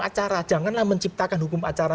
acara janganlah menciptakan hukum acara